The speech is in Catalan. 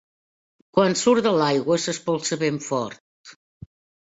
Quan surt de l'aigua, s'espolsa ben fort.